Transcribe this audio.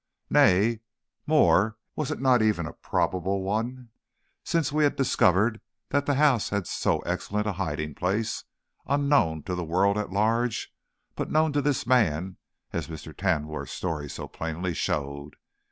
Nay, more, was it not even a probable one, since we had discovered that the house held so excellent a hiding place, unknown to the world at large, but known to this man, as Mr. Tamworth's story so plainly showed?